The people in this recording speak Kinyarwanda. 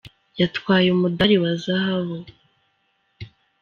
Yatwaye umudali wa zahabu.